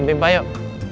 ompi empat yuk